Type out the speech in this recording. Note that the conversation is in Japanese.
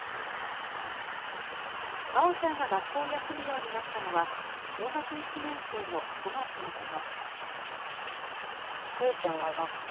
まおちゃんが学校を休むようになったのは小学１年生の５月のこと。